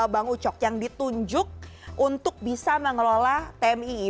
bang ucok yang ditunjuk untuk bisa mengelola tmi